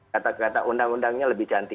kata kata undang undangnya lebih cantik